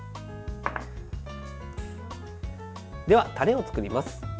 ではタレを作ります。